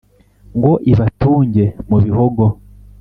Ngo ibatunge mu Bihogo,